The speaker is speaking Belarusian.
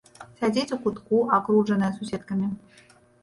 Сядзіць у кутку, акружаная суседкамі.